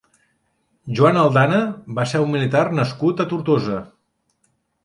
Joan Aldana va ser un militar nascut a Tortosa.